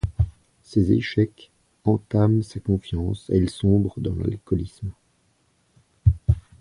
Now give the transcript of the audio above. Ces échecs entament sa confiance et il sombre dans l’alcoolisme.